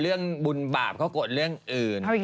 เรื่องบุญบาปเขากดเรื่องอื่น